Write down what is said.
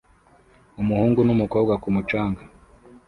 Umuhungu n'umukobwa ku mucanga